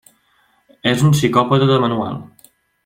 És un psicòpata de manual.